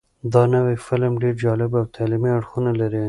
دا نوی فلم ډېر جالب او تعلیمي اړخونه لري.